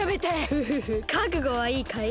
フフフかくごはいいかい？